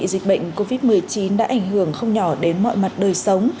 dịch bệnh covid một mươi chín đã ảnh hưởng không nhỏ đến mọi người